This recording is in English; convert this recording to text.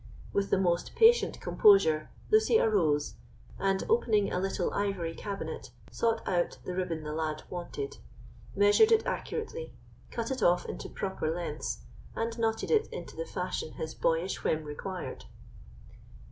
With the most patient composure Lucy arose, and opening a little ivory cabinet, sought out the ribbon the lad wanted, measured it accurately, cut it off into proper lengths, and knotted it into the fashion his boyish whim required.